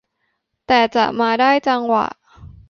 แต่จะมาได้จังหวะ